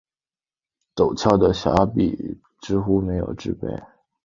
陡峭的峡谷壁几乎没有植被。